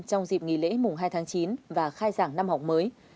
trong dịp nghỉ lễ mùng hai tháng chín và khai giảng năm học mới